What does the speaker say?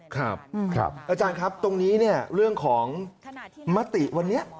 ครับอาจารย์ครับตรงนี้เนี่ยเรื่องของมติวันนี้